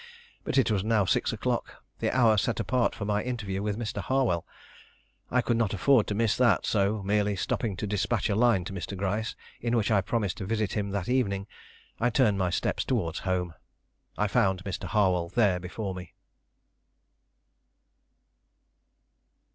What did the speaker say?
But it was now six o'clock, the hour set apart for my interview with Mr. Harwell. I could not afford to miss that, so merely stopping to despatch a line to Mr. Gryce, in which I promised to visit him that evening, I turned my steps towards home. I found Mr. Harwell there before me.